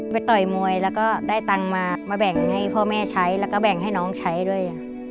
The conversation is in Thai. ต่อยมวยแล้วก็ได้ตังค์มามาแบ่งให้พ่อแม่ใช้แล้วก็แบ่งให้น้องใช้ด้วย